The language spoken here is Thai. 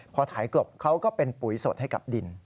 พอถ่ายกลบเขาก็เป็นปุ๋ยสดให้กับดิน